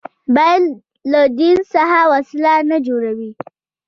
باید له دین څخه وسله نه جوړوي